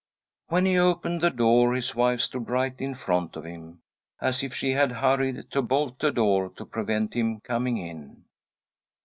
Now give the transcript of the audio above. When he opened the door, his wife stood right in front of him— as if she had hurried to bolt the door to prevent him coming in.